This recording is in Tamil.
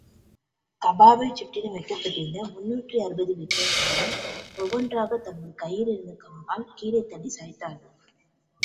கஃபாவைச் சுற்றிலும் வைக்கப்பட்டிருந்த முந்நூற்று அறுபது விக்கிரகங்களையும், ஒவ்வொன்றாகத் தங்கள் கையிலிருந்த கம்பால் கீழே தள்ளிச் சாய்த்தார்கள்.